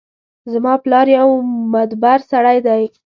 زما پلار یو مدبر سړی ده